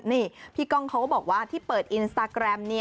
นี่พี่ก้องเขาก็บอกว่าที่เปิดอินสตาแกรม